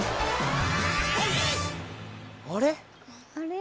あれ？